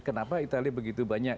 kenapa itali begitu banyak